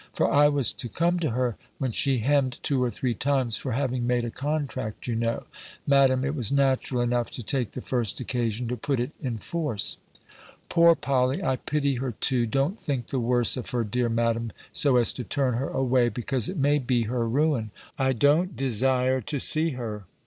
For I was to come to her when shee hemm'd two or three times; for having made a contract, you knowe. Madam, it was naturall enough to take the first occasion to putt itt in force. "Poor Polley! I pity her too. Don't thinke the worse of her, deare Madam, so as to turn her away, because it may bee her ruin. I don't desire too see her.